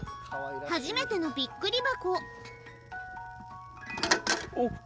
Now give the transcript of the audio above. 初めてのびっくり箱。